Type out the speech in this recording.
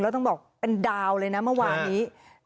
แล้วต้องบอกเป็นดาวเลยนะเมื่อวานนี้